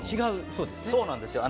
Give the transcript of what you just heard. そうなんですよ。